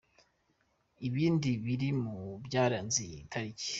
Ibindi biri mu byaranze iyi tariki.